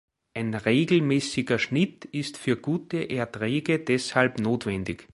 Ein regelmäßiger Schnitt ist für gute Erträge deshalb notwendig.